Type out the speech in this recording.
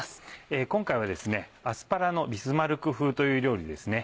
今回は「アスパラのビスマルク風」という料理ですね。